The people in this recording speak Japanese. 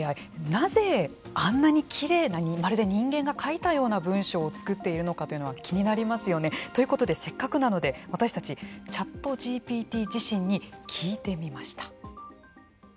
なぜ、あんなにきれいにまるで人間が書いたような文章を作っているのかというのが気になりますよね。ということでせっかくなので私たち、ＣｈａｔＧＰＴ自身に聞いてみました。